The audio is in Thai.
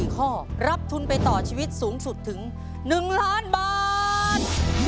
๑ข้อรับทุนไปต่อชีวิตสูงสุดถึง๑ล้านบาท